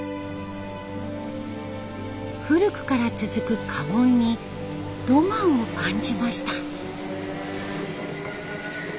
古くから続く家紋にロマンを感じました。